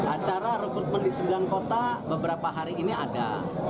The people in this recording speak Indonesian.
acara rekrutmen di sembilan kota beberapa hari ini ada